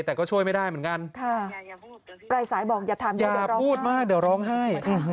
แต่ก็ช่วยไม่ได้เหมือนกันปลายสายบอกอย่าถามเดี๋ยวพูดมากเดี๋ยวร้องไห้